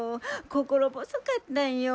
心細かったんよ！